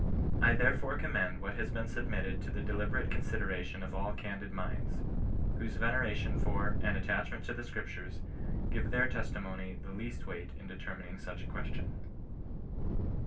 I there fore commend what has been submitted to the deliberate consideration of all candid minds, whose veneration for and attachment to the Scriptures give their testimony i^he least weight in determining such a question.